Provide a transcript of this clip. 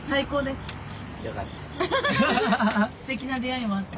すてきな出会いもあった。